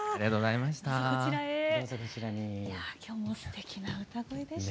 いや今日もすてきな歌声でしたね。